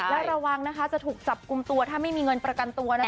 และระวังนะคะจะถูกจับกลุ่มตัวถ้าไม่มีเงินประกันตัวนะคะ